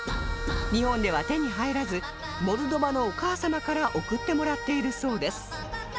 日本では手に入らずモルドバのお母様から送ってもらっているそうです